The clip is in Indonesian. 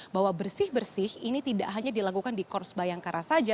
bahwa bersih bersih ini tidak hanya dilakukan di korps bayangkara saja